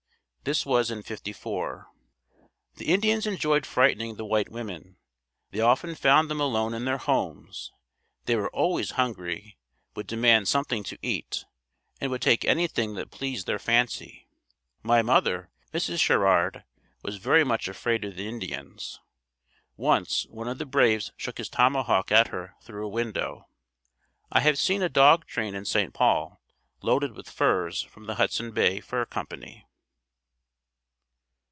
This was in '54. The Indians enjoyed frightening the white women. They often found them alone in their homes. They were always hungry, would demand something to eat, and would take anything that pleased their fancy. My mother, Mrs. Sherrard, was very much afraid of the Indians. Once one of the braves shook his tomahawk at her through a window. I have seen a dog train in St. Paul, loaded with furs from the Hudson Bay Fur Company.